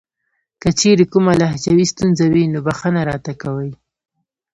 کچېرې کومه لهجوي ستونزه وي نو بښنه راته کوئ .